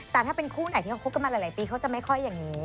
แต่ถ้าเป็นคู่ไหนที่เขาคบกันมาหลายปีเขาจะไม่ค่อยอย่างนี้